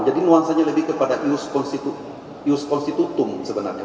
jadi nuansanya lebih kepada ius constitutum sebenarnya